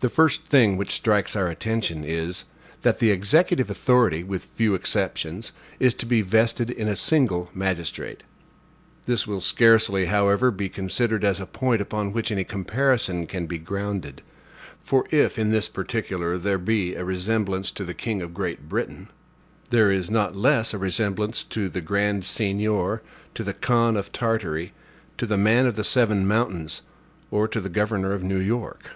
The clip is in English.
The first thing which strikes our attention is, that the executive authority, with few exceptions, is to be vested in a single magistrate. This will scarcely, however, be considered as a point upon which any comparison can be grounded; for if, in this particular, there be a resemblance to the king of Great Britain, there is not less a resemblance to the Grand Seignior, to the khan of Tartary, to the Man of the Seven Mountains, or to the governor of New York.